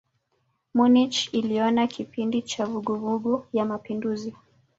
Munich iliona kipindi cha vuguvugu ya mapinduzi.